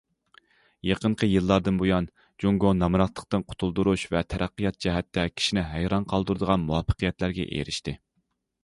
يېقىنقى يىللاردىن بۇيان، جۇڭگو نامراتلىقتىن قۇتۇلدۇرۇش ۋە تەرەققىيات جەھەتتە كىشىنى ھەيران قالدۇرىدىغان مۇۋەپپەقىيەتلەرگە ئېرىشتى.